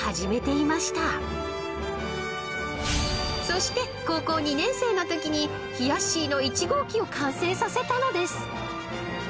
［そして高校２年生のときにひやっしーの１号機を完成させたのです］